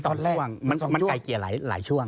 ๔๕ตอนนั้นมี๒ช่วงมันไก่เกลี่ยหลายช่วง